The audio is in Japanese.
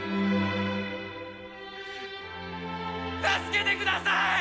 朔太郎：助けてください。